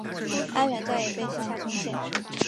安远寨也被西夏攻陷。